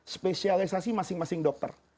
spesialisasi masing masing dokter